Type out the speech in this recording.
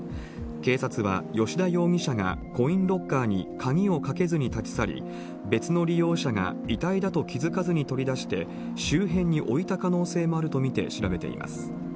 警察は吉田容疑者がコインロッカーに鍵をかけずに立ち去り、別の利用者が遺体だと気付かずに取り出して、周辺に置いた可能性